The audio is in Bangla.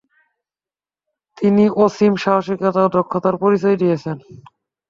তিনি অসীম সাহসিকতা ও দক্ষতার পরিচয় দিয়েছেন।